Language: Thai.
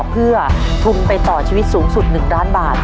เพื่อทุนไปต่อชีวิตสูงสุด๑ล้านบาท